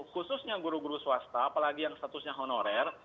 khususnya guru guru swasta apalagi yang statusnya honorer